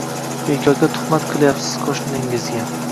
Bekorga tuhmat qilyapsiz qoʻshningizga